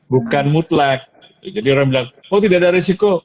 bukan mutlak jadi orang bilang oh tidak ada risiko